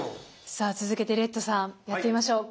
さあ続けてレッドさんやってみましょう。